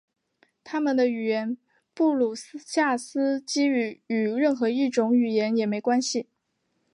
他们的语言布鲁夏斯基语与任何一种语言也没关系。